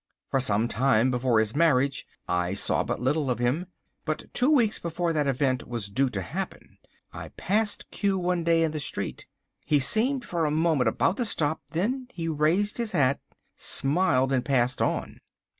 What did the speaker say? For some time before his marriage I saw but little of him. But two weeks before that event was due to happen, I passed Q one day in the street. He seemed for a moment about to stop, then he raised his hat, smiled and passed on."